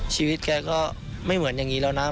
ชีวิตแกก็ไม่เหมือนอย่างนี้แล้วนะ